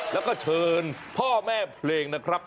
แล้วก็เชิญพ่อแม่เพลงนะครับ